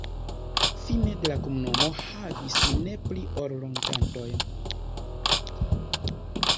Fine de la komunumo havis ne pli ol loĝantojn.